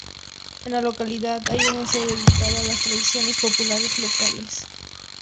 En la localidad hay un museo dedicado a las tradiciones populares locales.